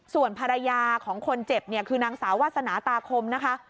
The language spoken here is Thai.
ส่วนภรรยาของคนเจ็บเนี่ยคือนางสาววาสนาตาคมนะคะ